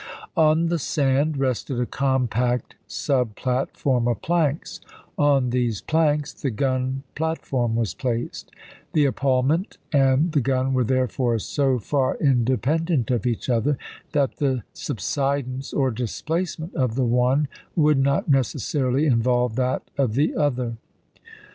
On the sand rested a compact sub platform of planks. On these planks the gun Giiimore, platform was placed. The epaulment and the "Engineer gun were therefore so far independent of each Artmeiy other, that the subsidence or displacement of the against18 one would not necessarily involve that of the Charles n „ ton," p. 52. other."